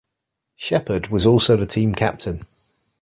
Shepard was also the team captain.